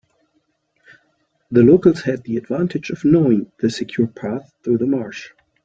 The locals had the advantage of knowing the secure path through the marsh.